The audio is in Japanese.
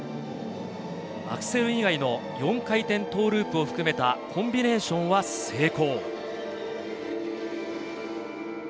アクセル以外の４回転トーループを含めたコンビネーションは成功。